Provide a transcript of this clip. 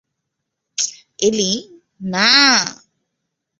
এলি, না!